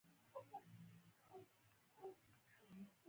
پوځيان کورونو ته ننوتل او ښځو ماشومانو چیغې کړې.